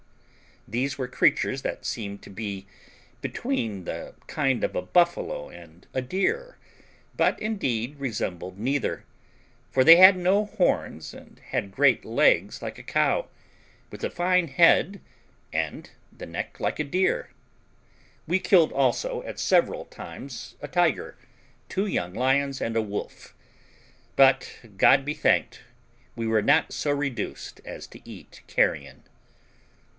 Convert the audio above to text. These were creatures that seemed to be between the kind of a buffalo and a deer, but indeed resembled neither; for they had no horns, and had great legs like a cow, with a fine head, and the neck like a deer. We killed also, at several times, a tiger, two young lions, and a wolf; but, God be thanked, we were not so reduced as to eat carrion.